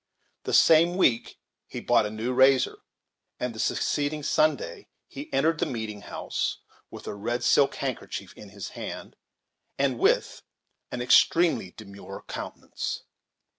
The same week he bought a new razor; and the succeeding Sunday he entered the meeting house with a red silk handkerchief in his hand, and with an extremely demure countenance.